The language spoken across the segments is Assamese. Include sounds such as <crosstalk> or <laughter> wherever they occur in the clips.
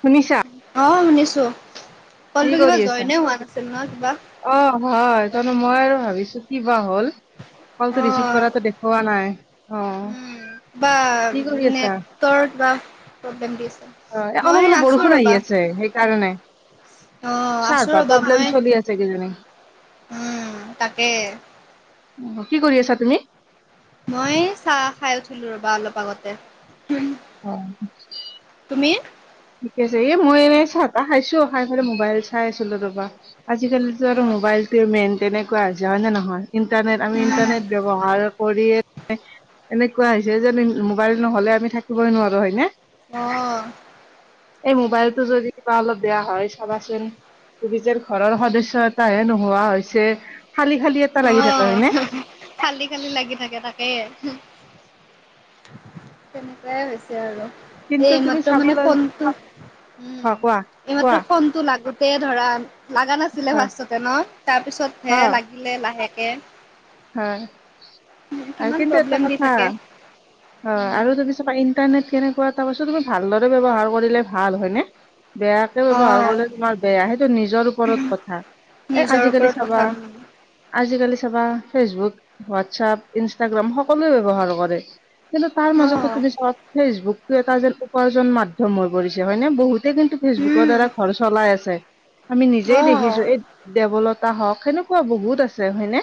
শুনিছা? অঁ', -শুনিছো, কলটো কিবা জইনে হোৱা নাছিল নহয় কিবা। অঁহ', - হয়, ত' মই আৰু ভাবিছো কিবা হ'ল। অ কলটো ৰিচিভ কৰাটো দেখুওৱা নাই অঁ। বা নেটৰ বা- প্ৰব্লেম দিছে, অ এ অলপ মই অলপ আছো বৰষুণ আহি ৰবা। আছে সেইকাৰণে অ আছো চাৰ্ভাৰ ৰবা প্ৰব্লেম মই, চলি আছে কিজানি উমঁ তাকে। অহ', - কি কৰি আছা তুমি? মই চাহ খাই উঠিলো ৰবা অলপ আগতে। অ। তুমি? ঠিকে আছে। এ মই এ চাহ তাহ খাইছো, খাই পেলাই মোবাইল চাই আছিলো ৰ'বা। আজিকালি যিটো উম মোবাইলটো মেইন তেনেকুৱা হৈছে হয় নে নহয়? ইণ্টাৰনেট আমি ইন্টাৰনেট ব্যৱহাৰ কৰিয়ে এনেকুৱা হৈছে যে মোবাইল নহলে আমি থাকিবই নোৱাৰো হয়নে? অ। এই মোবাইলটো যদি কিবা অলপ বেয়া হয় চাবাচোন, তুমি যেন ঘৰৰ সদস্য এটাহে নোহোৱা হৈছে। খালি খালি এট অ। হুঃ হুঃ। খালি খালি লাগি থাকে তাকে। তেনেকুৱাই হৈছে আৰু। কিন্তু তুমি এইমাত্ৰ মানে চাবলৈ ফোনটো, উম, অ কোৱা এইমাত্ৰ কোৱা ফোন টো লাগোতে ধৰা, লাগা নাছিলে হয় ফষ্টোতে ন? তাৰ পিছতেহে হয় লাগি লে লাহেকে। হয়। আৰু কিমান কিন্তু এটা প্ৰব্লেম দি কথা, থাকে। হয়। আৰু যদি চাবা তাৰপিছত ইণ্টাৰনেট কেনেকুৱা এটা বস্তু, তুমি ভালদৰে ব্যৱহাৰ কৰিলে ভাল হয় নে। বেয়া ব্যৱহাৰ অ', কৰিলে তোমাৰ বেয়া, সেইটো নিজৰ ওপৰত কথা। এ নিজৰ আজিকালি ওপৰত চাবা কথা ন। আজিকালি চাবা ফেচবুক, হোৱাটছপ, ইনষ্টাগ্ৰাম, সকলোৱে ব্যৱহাৰ কৰে। কিন্তু তাৰ মাজতো অ', তুমি চোৱা ফেচবুকতটো এটা যে উপাৰ্জন মাধ্যম হৈ পৰিছে হয়নে। বহুত কিন্তু ফেচবুকৰ উম, দ্বাৰা ঘৰ চলাই আছে। আমি নিজেই দেখিছো। অ', এই দেৱলত তাহক। সেনেকুৱা বহুত আছে হয়নে!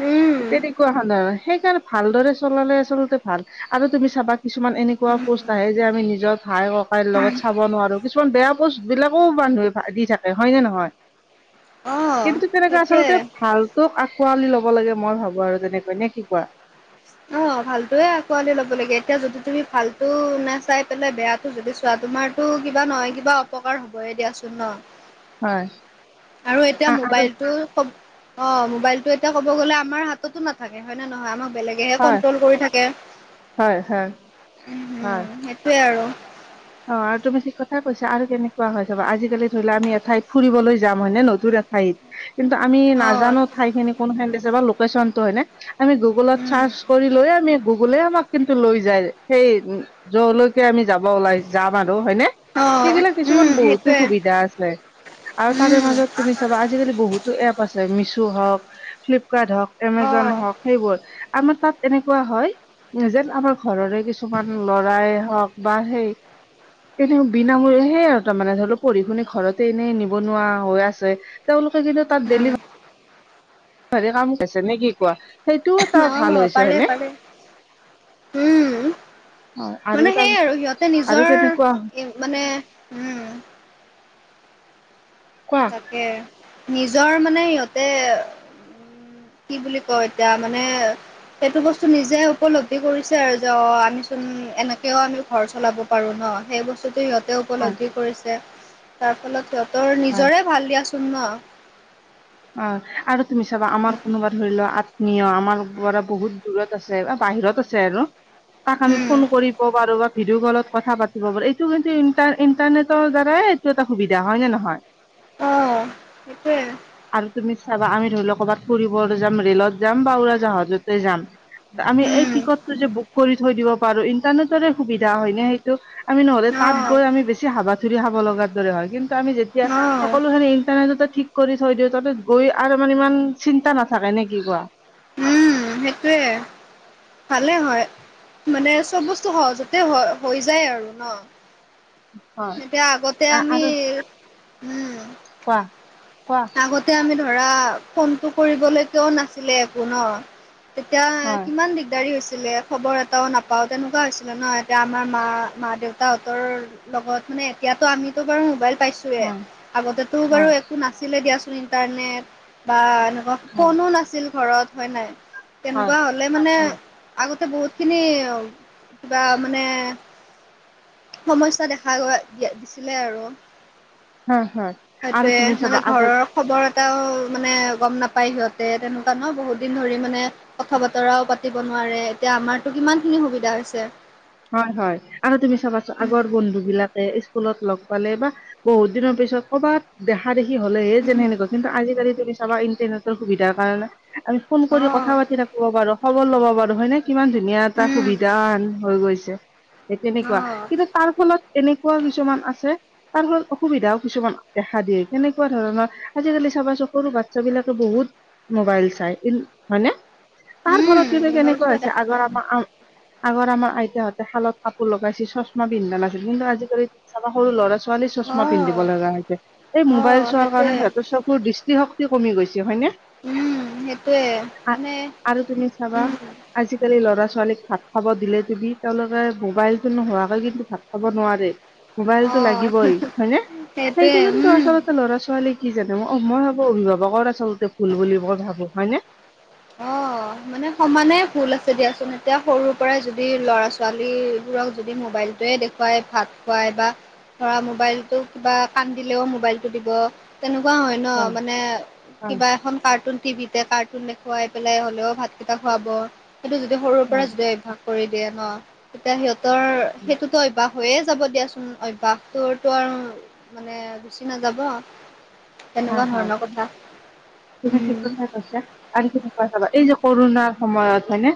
উম। তেনেকুৱা সাধাৰণ। সেইকাৰণে ভালদৰে চলালে আচলতে ভাল, আৰু তুমি চাবা কিছুমান এনে কোৱা পোষ্ট আহে যে আমি নিজৰ ভাই হক ভাইৰ লগত চাব নোৱাৰো। কিছুমান বেয়া পোষ্টবিলাকো মানুহে দি থাকে হয়নে নহয়? অ', কিন্তু তেনেকে সেইটোৱে। আচলতে ভালতোক আকোৱালি ল'ব ল'ব লাগে মই ভাবো আৰু তেনেকৈ, নে কি কোৱা? অঁ ভালটোৱে আঁকোৱালি ল'ব লগে, এতিয়া যদি তুমি ভালটো নাচাই পেলাই বেয়াটো যদি চোৱা তোমাৰ টো কিবা নহয় কিবা অপকাৰ হ'বয়ে দিয়াচোন ন। হয় আৰু এতিয়া আ- আৰু মোবাইলটো ক'ব অ। মোবাইলটো এতিয়া ক'ব গ'লে আমাৰ হাততো নাথাকে, হয় নে নহয়? আমাক বেলেগে হয় কন্ট্ৰল কৰি থাকে। হয় হয় হয় উম সেইটোয়ে আৰু। অ আৰু তুমি ঠিক কথাই কৈছা। আৰু কেনেকুৱা হয় চবা, আজিকালি ধৰি লোৱা আমি এঠাইত ফুবলৈ যাম হয় নে নতুন এঠাইত। কিন্তু আমি অ নাজানো ঠাই খিনি কোন খিনি দিছে বা লেকেশচনটো হয়নে? আমি গুগলত উম চাৰ্চ কৰি লৈ আমি গুগলে আমাক কিন্তু লৈ যায়। সেই যৰলৈকে আমি যাব ওলাইছো। যাম আৰু হয়নে? অ সেইগিলাক উম কিছুমান বহুতো সেইটোৱে সুবিধা আছে। আৰু তাৰে উম মাজত তুমি চাবা আজিকালি বহুত টো এপ আছে। মিছো হওক, ফ্লিপকাৰ্ট হওক, অ এমেজন হওক, সেইবোৰ। আমাৰ তাত এনেকুৱা হয়, যেন আমাৰ ঘৰৰে কিছুমান লৰাই হওক বা সেই এনে বিনামূলে সে আৰু তাৰমানে ধৰি লওক পঢ়ি শুনি ঘৰতে এনেই নিবনুৱা হৈ আছে। তেওঁলোকে যেতিয়া তাত ডেলি হয় কাম <unintelligible> কছে নে কি কোৱা? সেইটোও এটা ভাল উম অ হৈছে পাৰে হয়নে? পাৰে উম। অ মানে তাৰ সেই আৰু সিহঁতে আৰু নিজৰ কেনেকুৱা মানে উম। কোৱা তাকে। নিজৰ মানে সিহঁতে কি বুলি কয় এতিয়া মানে, সেইটো বস্তু, নিজে উপলব্ধি কৰিছে আৰু, যে অ', আমিচোন এনেকেও আমি ঘৰ চলাব পাৰোঁ ন, সেই বস্তুটো সিঁহতে হয় উপলব্ধি কৰিছে, তাৰ ফলত সিহঁতৰ হয় নিজৰে ভাল দিয়াচোন ন। অ', আৰু তুমি চাবা, আমাৰ কোনোবা ধৰিল' আ নিয়, আমাৰ পৰা বহুত দূৰত আছে, বাহিৰত আছে আৰু। তাক, আমি ফোন উম কৰিব পাৰো বা ভিডিঅ' কলত কথা পাতিব পাৰোঁ, এইটো কিন্তু ইণ্টাৰ ইণ্টাৰনেটৰ দ্বাৰাই এইটো এটা সুবিধা, হয় নে নহয়। সেইটোৱেই। আৰু তুমি চাবা, আমি ধৰিলও ক'ৰবাত ফুৰিবলৈ যাম, ৰে'লত যাম বা উৰাজাহাজতে যাম। আমি এই উম টিকটটো যে বুক কৰি থৈ দিব পাৰোঁ, ইন্টাৰনেটৰে সুবিধা হয় নে সেইটো। আমি নহ'লে অ তাত গৈ, আমি বেছি হাবাথুৰি খাব লগা দৰে হয়, কিন্তু আমি যে যেতিয়া, অ সকলোখিনি ইণ্টাৰনেটটে ঠিক কৰি থৈ দিওঁ, তাতে গৈ আৰু মানে ইমান চিন্তা নাথাকে নে কি কোৱা। উম, সেইটোৱেই। ভালে হয়, মানে চব বস্তু সহজতে হ হৈ যায় আৰু ন। হয় এতিয়া আগতে আ- আমি, আৰু উম। কোৱা। কোৱা আগতে আমি ধৰা, ফোনটো কৰিবলৈকেও নাছিলে একো ন। তেতিয়া, হয় কিমান দিগদাৰী হৈছিলে। খবৰ এটাও নাপাও, তেনেকুৱা হৈছিলে ন, এতিয়া আমাৰ মা, মা-দেউতাহঁতৰ লগত মানে, এতিয়াতো আমিতো বাৰু মোবাইল পাইছোঁ। ৱে হয় আগতেতো বাৰু হয় একো নাছিলে দিয়াচোন ইন্টাৰনেট বা এনেকুৱা হয় ফোনো নাছিল ঘৰত, হয় নাই হয় তেনেকুৱা হ'লে মানে হয় আগতে বহুতখিনি কিবা মানে সমস্যা দেখা গৈ ছিলে আৰু। হয় হয় আৰু সেইটোয়ে তুমি মানে চাবা আগত ঘৰৰ খবৰ এটাও মানে গম নাপায় সিহঁতে তেনেকুৱা ন, বহুতদিন ধৰি মানে কথা-বতৰাও পাতিব নোৱাৰে, এতিয়া আমাৰতো কিমানখিনি সুবিধা হৈছে। হয়, হয় আৰু তুমি চাবাচুন আগৰ বন্ধু বিলাকে স্কুলত লগ পালে বা, বহুত দিনৰ পিছত কৰ'বাত দেখা-দেখি হ'লে যেনে সেনেকোৱা কিন্তু, আজিকালি তুমি চাবা ইণ্টাৰনেটৰ সুবিধাৰ কাৰণে আমি ফোন অ কৰি কথা পাতি থাকিব পাৰোঁ, খবৰ লব পাৰো হয়নে, কিমান ধুনীয়া এটা সুবিধা উম হেন হয় গৈছে। সেই অ তেনেকুৱা, কিন্তু তাৰ ফলত এনেকুৱা কিছুমান আছে তাৰ ফলত অসুবিধাও কিছুমান দেখা দিয়ে, কেনেকুৱা ধৰণৰ আজিকালি চাবাচুন সৰু বাচ্ছা বিলাকে বহুত মোবাইল চাই হয়নে তাৰ উম ফলত মোবাইল কেনেকুৱা চোৱা হৈছে দেখা আগৰ যায় আমাৰ আগৰ আমাৰ আইতাহঁত শালত কাপোৰ লগাইচি, চশমা পিন্ধা নাছিল, কিন্তু আজিকালি সৰু ল'ৰা ছ ছোৱালী চশমা পিন্ধিব অ লগা হৈছে। এই অ মোবাইল চোৱাৰ কাৰণে সেইটোয়ে সিহঁতে চব চকুৰ দৃষ্টিশক্তি কমি গৈছে হয়নে। উম, সেইটোয়ে মানে আৰু তুমি চাবা, উম আজিকালি ল'ৰা-ছোৱালীক ভাত খাব দিলে তুমি তেওঁলোকে মোবাইলটো নোহোৱাকে কিন্তু ভাত খাব নোৱাৰে। অ মোবাইলটো লাগিবই হয়নে, সেইটো সেইটোয়ে কিন্তু উম আচলতে ল'ৰা-ছোৱালী কি জানে, ম মই ভাবো অভিভাৱকৰ আচলতে ভুল বুলি মই ভাবো হয়নে। অ', মানে সমানে ভুল আছে দিয়াচোন এতিয়া সৰুৰ পৰাই যদি ল'ৰা ছোৱালীবোৰক যদি মোবাইলটোয়ে দেখুৱাই ভাত খুৱাই বা ধৰা মোবাইলটো কিবা কান্দিলেও মোবাইলটো দিব তেনেকোৱা হয় ন মানে হয় কিবা এখন কাৰ্টুন টিভিতে কাৰ্টুন দে খোৱাই পেলাই হ'লেও ভাতকেইটা খুৱাব সেইটো যদি সৰুৰ পৰা যদি অভ্যাস কৰি দিয়ে ন তেতিয়া সিহঁতৰ সেইটোতো অভ্যাস হৈয়ে যাব দিয়াচোন অভ্যাসটোৰতো আৰু মানে গুচি নাযাব। তেনেকুৱা হয় হয় ধৰণৰ তুমি কথা তুমি ঠিক উম কথাই কৈছা আৰু কি চাবা এই যে কৰোণাৰ সময়ত হয়নে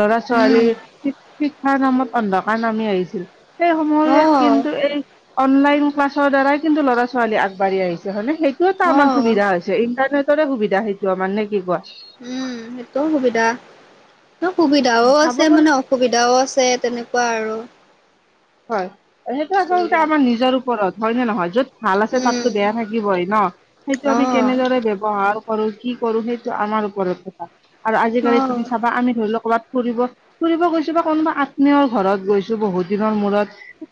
ল'ৰা উম ছোৱালীৰ শি শিক্ষাৰ নামত অন্ধকাৰ নামি আহিছিল। সেই সময়ত অ', কিন্তু এই অনলাইন ক্লাছৰ দ্বাৰাই কিন্তু ল'ৰা ছোৱালী আগবাঢ়ি আহিছে হয়নে সেইটোওতো আমাৰ অ'। সুবিধা হৈ ছে ইণ্টাৰনেটৰে সুবিধা সেইটো আমাৰ নে কি কোৱা উম সেইটোও সুবিধা ত সুবিধাও চাব আছে গ'লে মানে অ সুবিধাও আছে তেনেকোৱা আৰু। হয় সেইটো আচলতে বস্তুবিলাক আমাৰ নিজৰ ওপৰত হয় নে নহয় য'ত ভাল আছে তাততো উম বেয়া থাকিবই ন' সেইটো অ আমি কেনেদৰে ব্যৱহাৰ কৰো কি কৰো সেইটো আমাৰ ওপৰত কথা আৰু অ আজিকালি তুমি চাবা আমি ধৰি লোৱা ক'ৰবাত ফুৰিব ফুৰিব গৈছো বা কোনোবা আত্মীয়ৰ ঘৰত গৈছো বহুত দিন মূৰত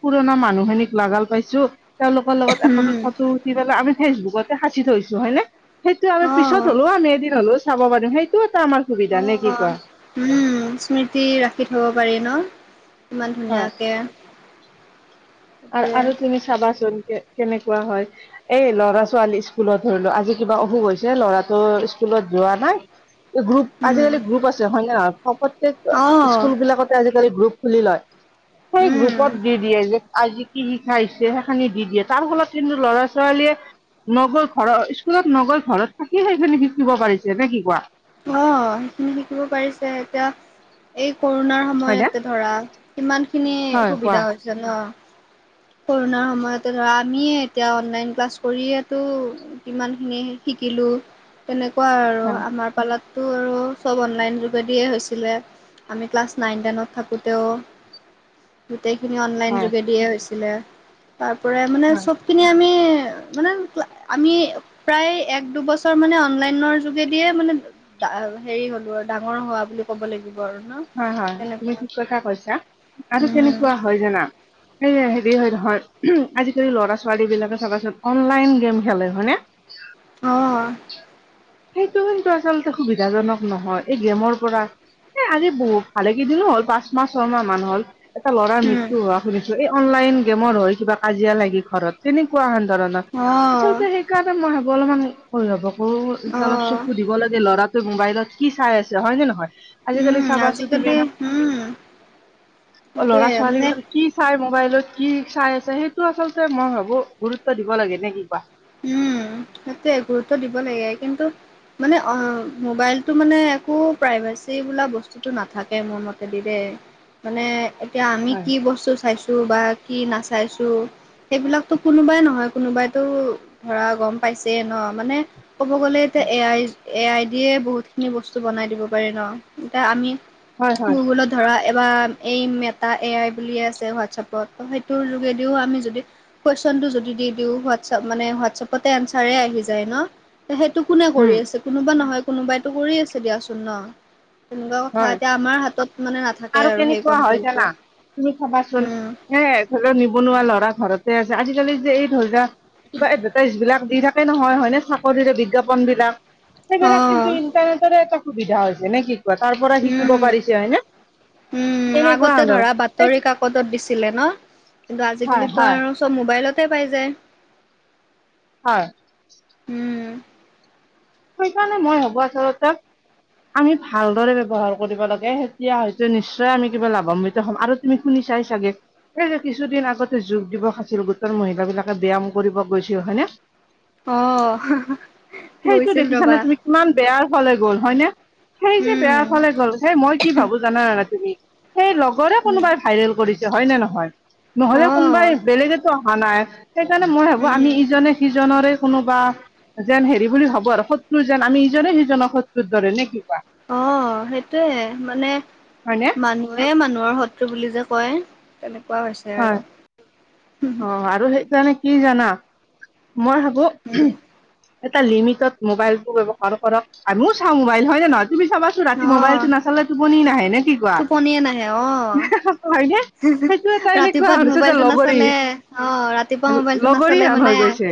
পুৰণা মানুহ খিনিক লগাগাল পাইছো তেওঁলোকৰ লগত একপি উম ফটো উঠি পেলাই আমি ফেচবুকতে সাঁচি থৈছো হয় নে সেইটো আমি অ পিছত হ'লেও আমি এদিন হ'লেও চাব পাৰিম সেইটো এটা আমাৰ অ সুবিধা নে কি কোৱা। উম', স্মৃতি ৰাখি থব পাৰি ন'। ইমান হয়। ধুনীয়াকে আৰু সেইটোৱে আৰু তুমি চাবাচোন কে কেনেকোৱা হয় এই লৰা ছোৱালী স্কুলত ধৰি লোৱা আজি কিবা অসুখ হৈছে লৰাটো স্কুলত যোৱা নাই এই গ্ৰুপ উম আজিকালি গ্ৰুপ আছে হয় নে নহয় অ প্ৰত্যেকে স্কুল বিলাকত আজিকালি গ্ৰুপ খুলি লয় সেই উম গ্ৰুপত দি দিয়ে যে আজি কি শিক্ষা আহিছে সেইখিনি দি দিয়ে তাৰ ফলত কিন্তু লৰা ছোৱালীয়ে নগল ঘৰৰ স্কুলত নগল ঘৰত থাকিয়ে সেইখিনি শিকিব পাৰিছে নে কি কোৱা অ সেইখিনি শিকিব পাৰিছে এতিয়া এই কৰোণাৰ হয়নে সময়তে ধৰা ইমানখিনি হয় কোৱা সুবিধা হৈছে ন'। কৰোণাৰ সময়তে ধৰা আমিয়ে এতিয়া অনলাইন ক্লাছ কৰিয়েতো কিমান খিনি শিকিলো তেনেকোৱা আৰু হয় আমাক পালাততো আৰু চব অনলাইন যোগেদিয়ে হৈছিলে আমি ক্লাছ নাইন টেনত থাকোতেও গোটেইখিনি অনলাইন হয় যোগেদিয়েই হৈছিলে তাৰপৰাই মানে হয় চব সেপিনি আমি মানে আমি প্ৰায় এক দুবছৰ মানে অনলাইনৰ যোগেদিয়ে মানে হেৰি হলো আৰু ডাঙৰ হোৱা বুলি ক'ব লাগিব আৰু ন হয় হয় তুমি তেনেকুৱা ঠিক কথা কৈছা আৰু উম, কেনেকোৱা হয় জানা হে হেৰি হয় নহয় আজিকালি ল'ৰা ছোৱালীবিলাকে চাবা অনলাইন গেম খেলে হয়নে অ', <unintelligible> সেইটো কিন্তু আচলতে সুবিধাজনক নহয় এই গেমৰ পৰা এ আজি বহুত ভালেকেইদিনো হ'ল পাঁচমাহ ছয়মাহ মান হ'ল এটা ল'ৰাৰ উম, মৃত্যু হোৱা এই অনলাইন গেমৰ হৈ কিবা কাজিয়া লাগে ঘৰত তেনেকোৱা এন ধৰণৰ আচলতে কা অ', হেঁতেন মই ভাবো অলপমান অভিভাবকো এতিয়া অলপ অ'। চকু দিব লাগে ল'ৰা ত মোবাইলত কি চাই আছে হয় নে নহয়? আজিকালি উম, চাবাছোন আজিকালি তুমি? উম, অ ল'ৰা সেইটোয়ে - মানে ছোৱালীবিলাক কি চাই মোবাইলত কি চাই আছে সেইটো আচলতে মই ভাবো গুৰুত্ব দিব লাগে নে কি কোৱা? উম সেইটোয়ে গুৰুত্ব দিব লাগে কিন্তু মানে অ মোবাইলটো মানে একো প্ৰাইভেচি বোলা বস তোটো নাথাকে মোৰ মতেদিদে মানে এতিয়া আমি হয়। কি বস্তু চাইছ তো বা কি নাচাইছো সেইবিলাকতো কোনোবাই নহয় কোনোবাইতো ধৰা গম পাইছে ন মানে ক'ব গ'লে এতিয়া এ আই এ আই দিয়ে বহুতখিনি বস্তু বনাই দিব পাৰি ন এতিয়া আমি হয় হয় গুগলত ধৰা এবাৰ এই মেটা এ আই বুলিয়ে আছে হোৱাটছএপত সেইটোৰ যোগেদিও আমি যদি কুৱেশ্বনটো যদি দি দিও হোৱাটছআপ মানে হোৱাট চপতে এনচাৰে আহি যায় ন ত সেইটো কোনে উম কৰি আছে কোনোবা নহয় কোনোবাইতো কৰি আছে দিয়াচোন ন? তেনেকুৱা কথা হয় এতিয়া আমাৰ হাতত মানে নাথাকে আৰু সেই কেনেকুৱা হয় জানা তুমি চাবাচোন কন্ট্ৰলটো উম। এ ধৰি লোৱা নিবনুৱা ল'ৰা ঘৰতে আছে, আজিকালি যে এই ধৈৰাক কিবা এডভেটাইজবিলাক দি থাক কে নহয় হয়নে? চাকৰিৰে বিজ্ঞাপনবিলাক অ সেইবিলাক কিন কি ইণ্টাৰনেটৰে এটা সুবিধা হৈছে নেকি? মেটাৰ পৰা শিকিব উম পাৰিছে হয়নে? তেনেকুৱা ধৰ সেই পদত দিছিলে ন কিন্তু হয় আজিকালিতো হয় আৰু চব মোবাইলতে পাই যায়। হয়। উম সেইকাৰণে মই ভাবো আচলতে আমি ভালদৰে ব্যৱহাৰ কৰিব লাগে তেতিয়া হয়তো নিশ্চয় আমি কিবা লাভান্বিত হ'ম আৰু তুমি শুনিচাই চাগে? এই ৰে কিছুদিন আগতে যোগ দিৱস আছিল গোটৰ মহিলাবিলাকে ব্যায়াম কৰিব গৈছিল হয়নে? অ হ হ। তুমি দেখিছা নে তুমি কিমান বেয়াৰ ফালে গ'ল হয়নে? সেই যে উম বেয়াৰ ফালে গ'ল সেই মই কি ভাবো জানা তুমি সেই লগৰে উম কোনোবাই ভাইৰেল কৰিছে হয়নে নহয়? নহলেও কোনোবাই অ', বেলেগেতো অহা নাই সেইকাৰণে মই ভাবো আমি উম, ইজনে সিজনৰে কোনোবা যেন হেৰি বুলি ভাবো আৰু। শত্ৰু যেন আমি ইজনে - সিজনক শত্ৰুৰ দৰে নে কি কোৱা? অ সেইটোয়ে মানে হয়নে মানুহে মানুহৰ শত্ৰু বুলি যে কয়। তেনেকুৱা হৈছ হয়, অ আৰু সেইকাৰণে কি জানা? মই ভাবো উম, উহ এটা লিমিটত মোবাইলটো ব্যৱহাৰ কৰক, আমিও চাওঁ মোবাইল হয় নে নহয়? তুমি চাবা টো ৰাতি অ', মোবাইলটো নাচালে টোপনি নাহে নে কি কোৱা? টোপনিয়ে এ হেহে হয়নে? হিহি। সেইটো এটা এনেকুৱা ৰাতিপুৱাত হৈছে যে মোবাইলটো লগৰী নাচালে অ ৰাতিপুৱা মোবাইলটো লগৰী নাচালে হেন মানে হৈ গৈছে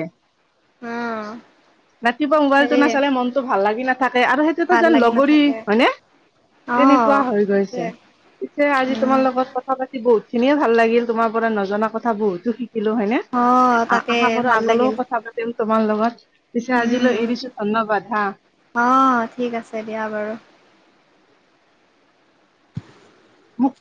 অ', ৰাতিপুৱা মোবাইলটো সেয়ে নাচালে মনটো ভাল লাগি নাথাকে আৰু সেই টোত ভাল যেন লাগি লগৰী নাথাকে হয়নে? তেনেকুৱা অ', হৈ গৈছে। সেইটোৱে পিছে আজি তোমাৰ উম, লগত কথা পাতি বহুতখিনিয়ে ভাল লাগিল তোমাৰ পৰা নজনা কথা বহুতো শিকিলো হয় নে? অ', আ তাকে আশা কৰো ভাল লাগিল আগলৈও কথা পাতিম তোমাৰ লগত। পিছে উম, আজিলৈ এৰিছো ধন্যবাদ হা। অ ঠিক আছে দিয়া বাৰু। মোক।